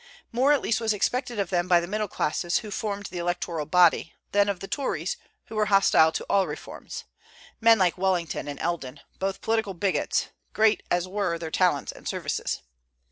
More at least was expected of them by the middle classes, who formed the electoral body, than of the Tories, who were hostile to all reforms, men like Wellington and Eldon, both political bigots, great as were their talents and services.